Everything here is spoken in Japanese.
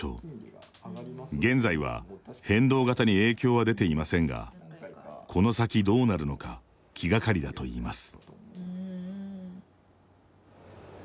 現在は、変動型に影響は出ていませんがこの先どうなるのか気がかりだといいます。